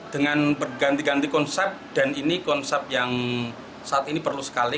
dengan berganti ganti konsep dan ini konsep yang saat ini perlu sekali